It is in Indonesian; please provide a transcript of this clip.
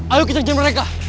ayo kita jalan mereka